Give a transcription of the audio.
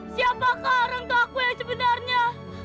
siapakah orangtuaku yang sebenarnya